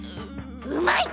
うまい！